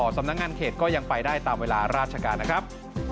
สำนักงานเขตก็ยังไปได้ตามเวลาราชการนะครับ